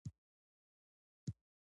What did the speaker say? دوی غواړي چې نوې اړیکې د پخوانیو ځای ونیسي.